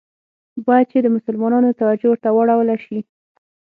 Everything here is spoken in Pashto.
باید چي د مسلمانانو توجه ورته راوړوله سي.